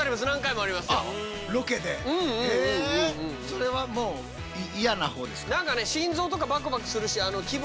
それはもう嫌な方ですか？